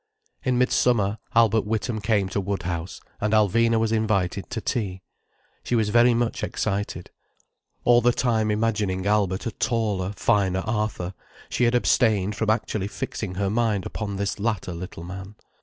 In midsummer Albert Witham came to Woodhouse, and Alvina was invited to tea. She was very much excited. All the time imagining Albert a taller, finer Arthur, she had abstained from actually fixing her mind upon this latter little man.